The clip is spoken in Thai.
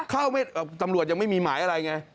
ตำรวจยังไม่มีหมายอะไรไง